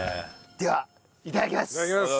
ではいただきます。